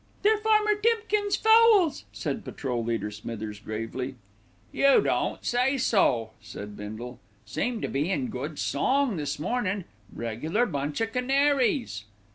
"They're Farmer Timkins' fowls," said Patrol leader Smithers gravely. "You don't say so," said Bindle. "Seem to be in good song this mornin'. Reg'lar bunch o' canaries."